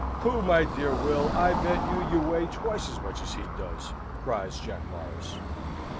"Pooh, my dear Will! I bet you you weigh twice as much as he does!" cries Jack Morris.